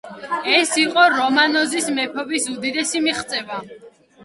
ეს იყო რომანოზის მეფობის უდიდესი მიღწევა.